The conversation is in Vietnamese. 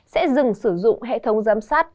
sẽ dừng sử dụng hệ thống giám sát